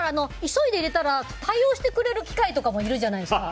急いで入れたら対応してくれる機械とかあるじゃないですか。